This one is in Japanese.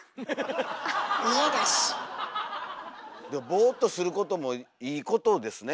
ボーっとすることもいいことですね。